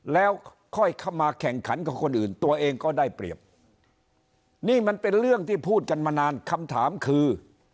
แล้วค่อยเข้ามาแข่งขันกับคนอื่นตัวเองก็ได้เปรียบนี่มันเป็นเรื่องที่พูดกันมานานคำถามคือ